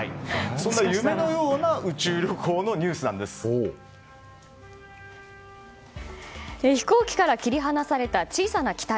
そんな夢のような飛行機から切り離された小さな機体。